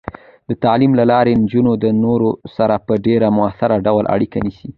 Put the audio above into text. د تعلیم له لارې، نجونې د نورو سره په ډیر مؤثر ډول اړیکه نیسي.